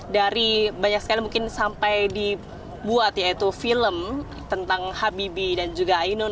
dari banyak sekali mungkin sampai dibuat yaitu film tentang habibi dan juga ainun